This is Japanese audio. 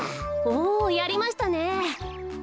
おやりましたね。